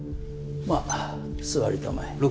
まあ座りたまえ。